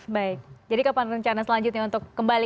baik jadi kapan rencana selanjutnya untuk kembali